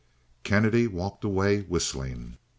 Kennedy walked away whistling.